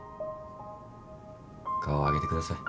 顔を上げてください。